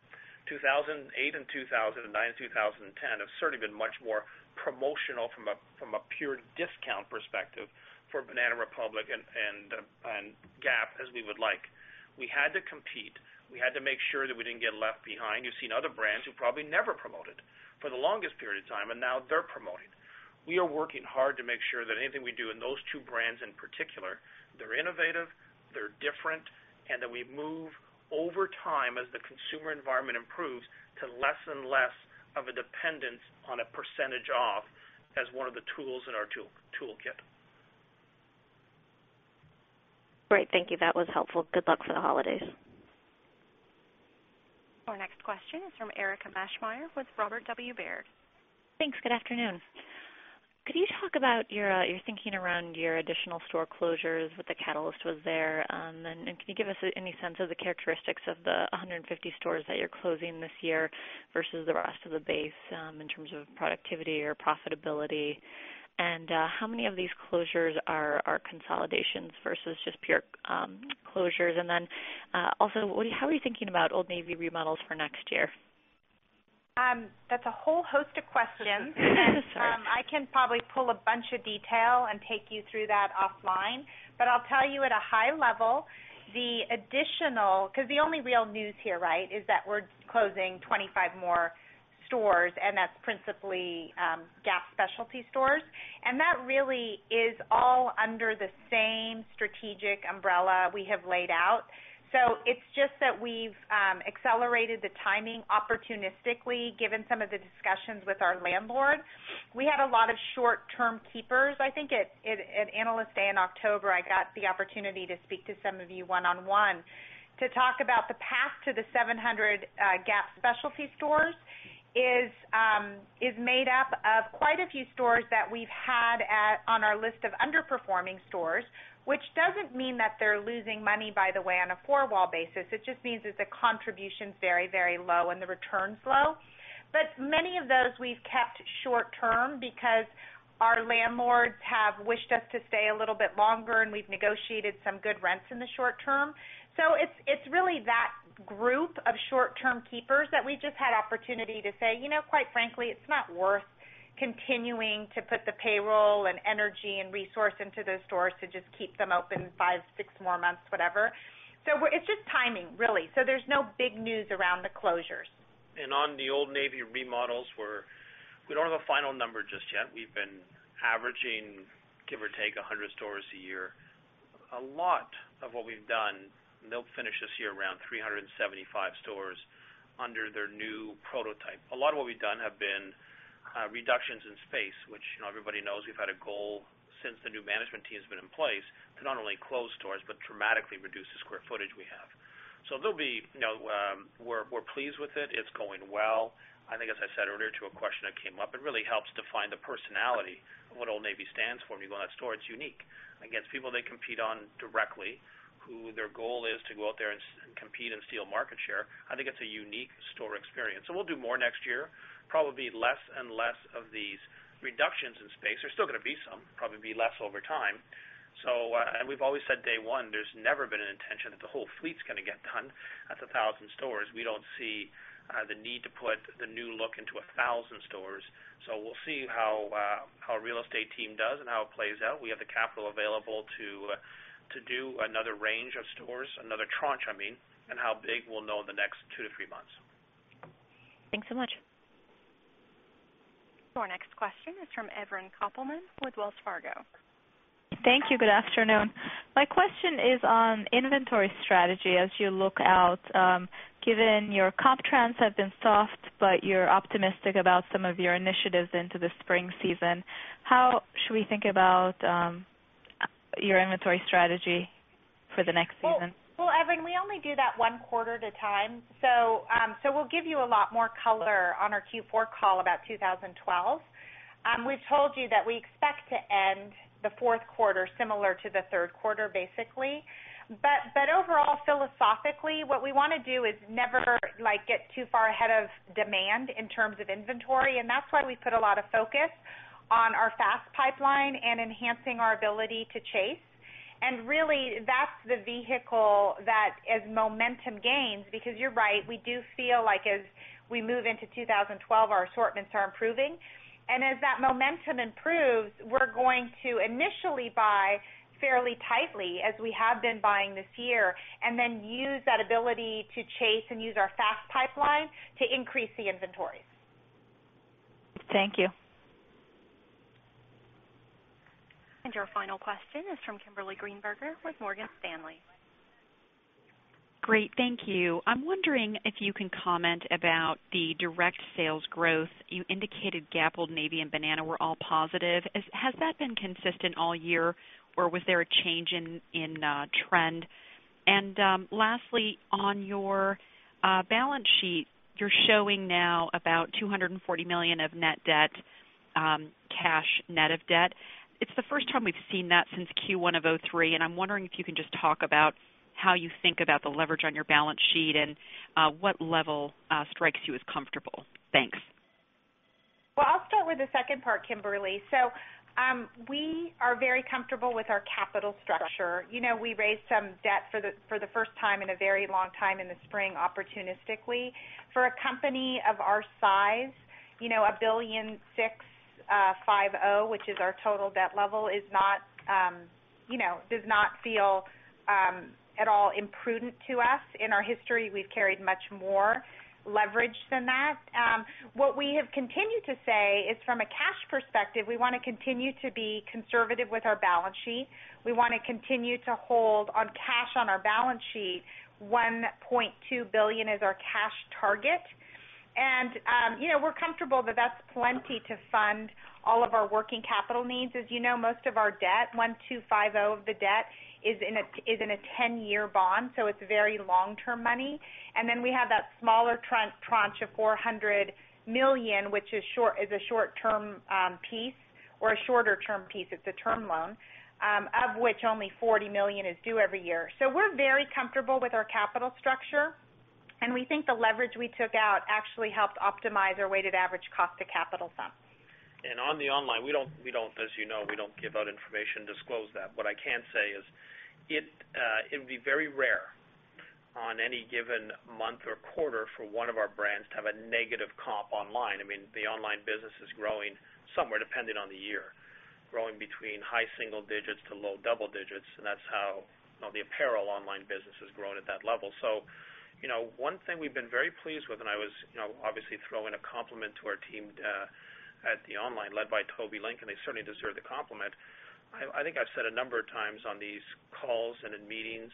2008, 2009, and 2010 have certainly been much more promotional from a pure discount perspective for Banana Republic and Gap, as we would like. We had to compete. We had to make sure that we didn't get left behind. You've seen other brands who probably never promoted for the longest period of time, and now they're promoting. We are working hard to make sure that anything we do in those two brands in particular, they're innovative, they're different, and that we move over time as the consumer environment improves to less and less of a dependence on a percentage off as one of the tools in our toolkit. Great. Thank you. That was helpful. Good luck for the holidays. Our next question is from [Erica Beschmeyer] with Robert W. Baird. Thanks. Good afternoon. Could you talk about your thinking around your additional store closures? What the catalyst was there? Could you give us any sense of the characteristics of the 150 stores that you're closing this year versus the rest of the base in terms of productivity or profitability? How many of these closures are consolidations versus just pure closures? Also, how are you thinking about Old Navy remodels for next year? That's a whole host of questions. Yes, sir. I can probably pull a bunch of detail and take you through that offline. I'll tell you at a high level, the additional, because the only real news here, right, is that we're closing 25 more stores, and that's principally Gap specialty stores. That really is all under the same strategic umbrella we have laid out. It's just that we've accelerated the timing opportunistically, given some of the discussions with our landlord. We had a lot of short-term keepers. I think at Analyst Day in October, I got the opportunity to speak to some of you one-on-one to talk about the path to the 700 Gap specialty stores, which is made up of quite a few stores that we've had on our list of underperforming stores, which doesn't mean that they're losing money, by the way, on a four-wall basis. It just means that the contribution is very, very low and the return's low. Many of those we've kept short-term because our landlords have wished us to stay a little bit longer, and we've negotiated some good rents in the short term. It's really that group of short-term keepers that we just had the opportunity to say, you know, quite frankly, it's not worth continuing to put the payroll and energy and resource into those stores to just keep them open five, six more months, whatever. It's just timing, really. There's no big news around the closures. On the Old Navy remodels, we don't have a final number just yet. We've been averaging, give or take, 100 stores a year. A lot of what we've done, they'll finish this year around 375 stores under their new prototype. A lot of what we've done have been reductions in space, which, you know, everybody knows we've had a goal since the new management team's been in place to not only close stores, but dramatically reduce the square footage we have. We're pleased with it. It's going well. I think, as I said earlier to a question that came up, it really helps define the personality of what Old Navy stands for. When you go in that store, it's unique. Against people they compete on directly, who their goal is to go out there and compete and steal market share, I think it's a unique store experience. We'll do more next year, probably less and less of these reductions in space. There's still going to be some, probably be less over time. We've always said day one, there's never been an intention that the whole fleet's going to get done at the 1,000 stores. We don't see the need to put the new look into 1,000 stores. We'll see how our real estate team does and how it plays out. We have the capital available to do another range of stores, another tranche, I mean, and how big we'll know in the next two to three months. Thanks so much. Our next question is from Evren Kopelman with Wells Fargo. Thank you. Good afternoon. My question is on inventory strategy as you look out. Given your comp trends have been soft, but you're optimistic about some of your initiatives into the spring season, how should we think about your inventory strategy for the next season? Evelyn, we only do that one quarter at a time. We'll give you a lot more color on our Q4 call about 2012. We've told you that we expect to end the fourth quarter similar to the third quarter, basically. Overall, philosophically, what we want to do is never get too far ahead of demand in terms of inventory. That's why we put a lot of focus on our fast pipeline and enhancing our ability to chase. Really, that's the vehicle that, as momentum gains, because you're right, we do feel like as we move into 2012, our assortments are improving. As that momentum improves, we're going to initially buy fairly tightly, as we have been buying this year, and then use that ability to chase and use our fast pipeline to increase the inventories. Thank you. Our final question is from Kimberly Greenberger with Morgan Stanley. Great. Thank you. I'm wondering if you can comment about the direct sales growth. You indicated Gap, Old Navy, and Banana were all positive. Has that been consistent all year, or was there a change in trend? Lastly, on your balance sheet, you're showing now about $240 million of net debt, cash net of debt. It's the first time we've seen that since Q1 of 2003. I'm wondering if you can just talk about how you think about the leverage on your balance sheet and what level strikes you as comfortable. Thanks. I'll start with the second part, Kimberly. We are very comfortable with our capital structure. You know, we raised some debt for the first time in a very long time in the spring, opportunistically. For a company of our size, $1.65 billion, which is our total debt level, does not feel at all imprudent to us. In our history, we've carried much more leverage than that. What we have continued to say is, from a cash perspective, we want to continue to be conservative with our balance sheet. We want to continue to hold cash on our balance sheet. $1.2 billion is our cash target, and we're comfortable that that's plenty to fund all of our working capital needs. As you know, most of our debt, $1.25 billion of the debt, is in a 10-year bond. It's very long-term money. We have that smaller tranche of $400 million, which is a shorter-term piece. It's a term loan, of which only $40 million is due every year. We're very comfortable with our capital structure, and we think the leverage we took out actually helped optimize our weighted average cost of capital some. On the online, we don't, as you know, we don't give out information to disclose that. What I can say is it would be very rare on any given month or quarter for one of our brands to have a negative comp online. I mean, the online business is growing somewhere, depending on the year, growing between high single digits to low double digits. That's how the apparel online business has grown at that level. One thing we've been very pleased with, and I was obviously throwing a compliment to our team at the online led by Toby Lincoln. They certainly deserve the compliment. I think I've said a number of times on these calls and in meetings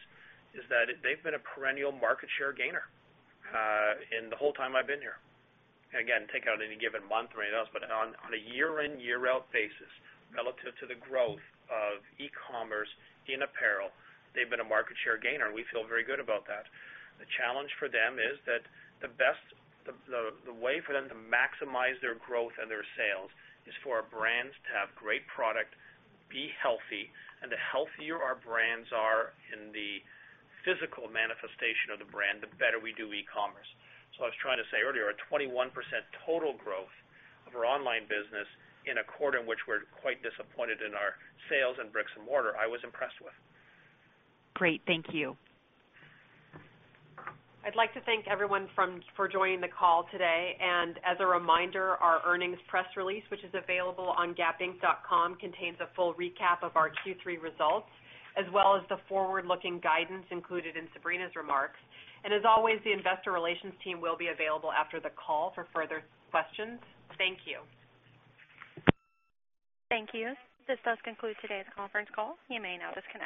that they've been a perennial market share gainer in the whole time I've been here. Take out any given month or anything else, but on a year-in, year-out basis, relative to the growth of e-commerce in apparel, they've been a market share gainer, and we feel very good about that. The challenge for them is that the best way for them to maximize their growth and their sales is for our brands to have great product, be healthy. The healthier our brands are in the physical manifestation of the brand, the better we do e-commerce. I was trying to say earlier, our 21% total growth of our online business in a quarter in which we're quite disappointed in our sales and bricks and mortar, I was impressed with. Great, thank you. I'd like to thank everyone for joining the call today. As a reminder, our earnings press release, which is available on gapinc.com, contains a full recap of our Q3 results, as well as the forward-looking guidance included in Sabrina's remarks. As always, the Investor Relations team will be available after the call for further questions. Thank you. Thank you. This does conclude today's conference call. You may now disconnect.